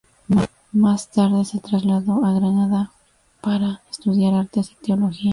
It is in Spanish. Más tarde se trasladó a Granada para estudiar artes y teología.